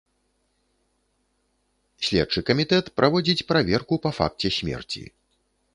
Следчы камітэт праводзіць праверку па факце смерці.